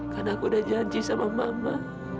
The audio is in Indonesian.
karena aku sudah janji sama mama